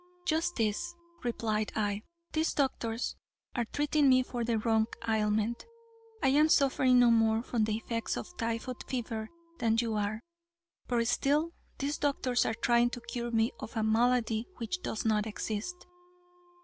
"Just this," replied I, "these doctors are treating me for the wrong ailment. I am suffering no more from the effects of typhoid fever than you are, but still these doctors are trying to cure me of a malady which does not exist.